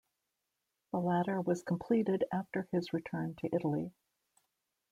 The latter was completed after his return to Italy.